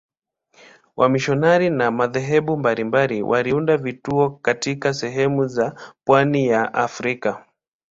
Wamisionari wa madhehebu mbalimbali waliunda vituo katika sehemu za pwani ya Afrika.